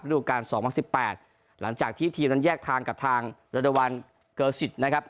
ดูการ๒๐๑๘หลังจากที่ทีมนั้นแยกทางกับทางรดวัลเกอร์สิทธิ์นะครับ